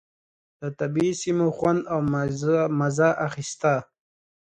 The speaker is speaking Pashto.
له طبعي سیمو خوند او مزه اخيسته.